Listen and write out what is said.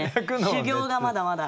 修業がまだまだ。